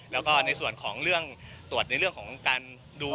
แล้วก็ในส่วนของเรื่องตรวจในเรื่องของการดู